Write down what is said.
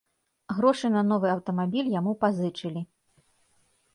Грошы на новы аўтамабіль яму пазычылі.